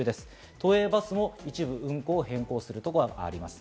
都営バスも一部運行を変更するところがあります。